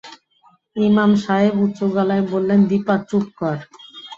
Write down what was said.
ইমাম সাহেব উঁচু গলায় বললেন, দিপা, চুপ কর।